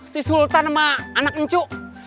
si sultan sama anak ngcu